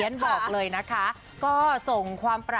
ส่วนจะบอกคือ